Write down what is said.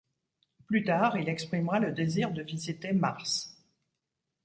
Plus tard, il exprimera le désir de visiter Mars.